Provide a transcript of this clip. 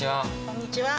こんにちは。